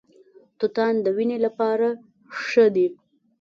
توتان د وینې لپاره ښه دي.